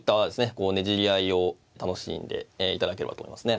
こうねじり合いを楽しんでいただければと思いますね。